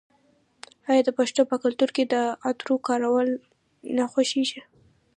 آیا د پښتنو په کلتور کې د عطرو کارول نه خوښیږي؟